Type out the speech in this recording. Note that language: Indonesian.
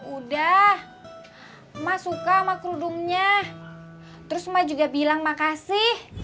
udah emak suka sama kerudungnya terus emak juga bilang makasih